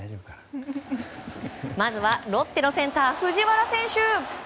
まずはロッテのセンター、藤原選手！